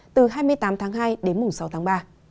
từ hai mươi tám tháng hai đến mùng sáu tháng ba